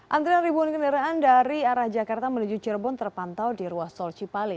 antrean ribuan kendaraan dari arah jakarta menuju cirebon terpantau di ruas solcipali